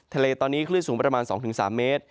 ทะเลตอนนี้คลื่นสูงประมาณ๒๓เมตร